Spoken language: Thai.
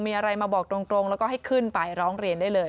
มีอะไรมาบอกตรงแล้วก็ให้ขึ้นไปร้องเรียนได้เลย